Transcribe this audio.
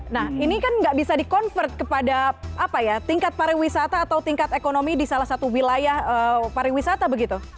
nah ini kan nggak bisa di convert kepada tingkat pariwisata atau tingkat ekonomi di salah satu wilayah pariwisata begitu